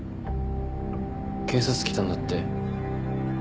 警察来たんだって？